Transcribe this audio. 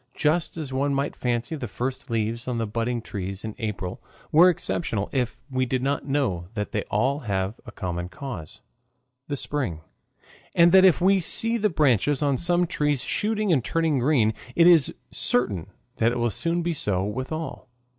Just as one might fancy the first leaves on the budding trees in April were exceptional if we did not know that they all have a common cause, the spring, and that if we see the branches on some trees shooting and turning green, it is certain that it will soon be so with all.